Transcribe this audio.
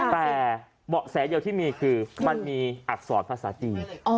แต่เบาะแสเดียวที่มีคือมันมีอักษรภาษาจีน